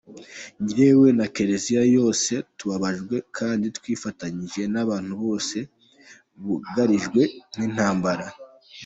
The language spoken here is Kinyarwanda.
Jyewe na Kiliziya yose, tubabajwe kandi twifatanyije n’abantu bose bugarijwe n’intambara.